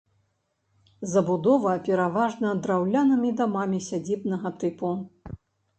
Забудова пераважна драўлянымі дамамі сядзібнага тыпу.